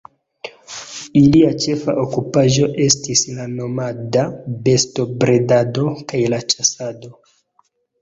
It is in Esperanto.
Ilia ĉefa okupiĝo estis la nomada bestobredado kaj la ĉasado.